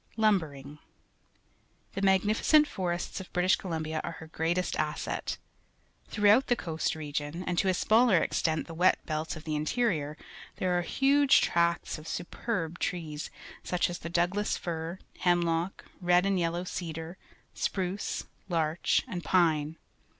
Lumbering. — The magnificent forests of British Columbia are her greatest asset. Throughout the coast region, and to a smaller extent the wet belts of the interior, there are huge tracts of superb trees, such as the Douglas fir, hemlock, red and yellow cedar, spruce, larch, and pine.